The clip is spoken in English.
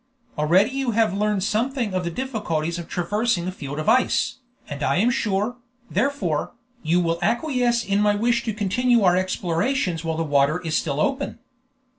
Already you have learned something of the difficulties of traversing a field of ice, and I am sure, therefore, you will acquiesce in my wish to continue our explorations while the water is still open."